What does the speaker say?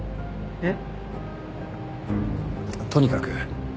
えっ？